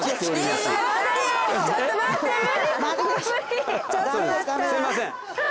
すいません。